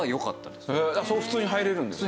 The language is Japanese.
そこ普通に入れるんですね。